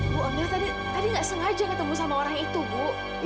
bu amel tadi nggak sengaja ketemu sama orang itu bu